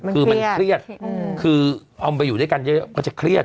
คือมันเครียดเอามันไปอยู่ด้วยกันก็จะเครียด